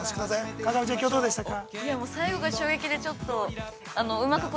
川上ちゃん、きょう、どうでしたか。